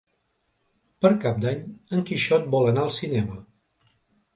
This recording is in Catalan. Per Cap d'Any en Quixot vol anar al cinema.